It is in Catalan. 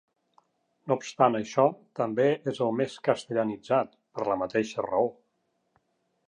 No obstant això també és el més castellanitzat, per la mateixa raó.